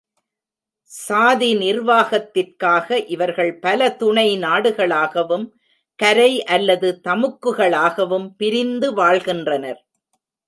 சாதி நிர்வாகத்திற்காக இவர்கள் பலதுணை நாடுகளாகவும் கரை அல்லது தமுக்குகளாகவும் பிரிந்து வாழ்கின்றனர்.